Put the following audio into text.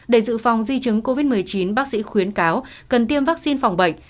để dự phòng di chứng covid một mươi chín bác sĩ khuyến cáo cần tiêm vaccine phòng bệnh